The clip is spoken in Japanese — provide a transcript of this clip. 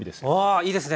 あいいですね。